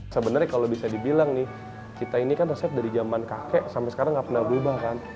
sebenarnya kalau bisa dibilang nih kita ini kan resep dari zaman kakek sampai sekarang nggak pernah berubah kan